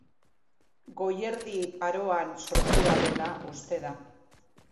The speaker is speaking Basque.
Goi Erdi Aroan sortua dela uste da.